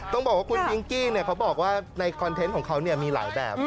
ต้องบอกว่าคุณพิงกี้เขาบอกว่าในคอนเทนต์ของเขามีหลายแบบ